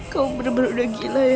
kamu bener bener udah gila ya